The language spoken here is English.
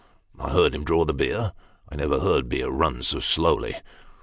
I heard him draw the beer ; and I never heard beer run so slowly.